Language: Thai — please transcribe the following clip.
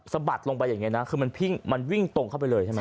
สะบัดลงไปอย่างเงี้ยนะคือมันพิ่งมันวิ่งตรงเข้าไปเลยใช่ไหม